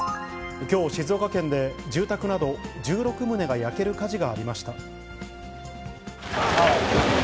きょう、静岡県で住宅など１６棟が焼ける火事がありました。